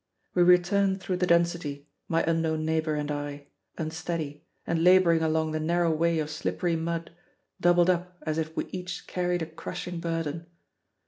We return through the density, my unknown neighbor and I, unsteady, and laboring along the narrow way of slippery mud, doubled up as if we each carried a crushing burden.